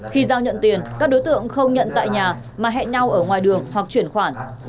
khi giao nhận tiền các đối tượng không nhận tại nhà mà hẹn nhau ở ngoài đường hoặc chuyển khoản